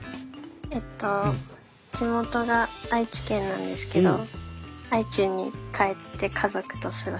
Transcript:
えっと地元が愛知県なんですけど愛知に帰って家族と過ごします。